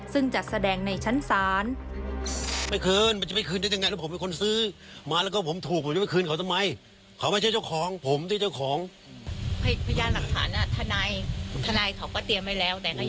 ซึ่งจัดแสดงในชั้นศาล